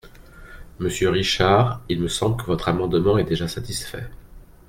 Monsieur Richard, il me semble que votre amendement est déjà satisfait.